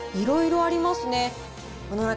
いろいろありますね。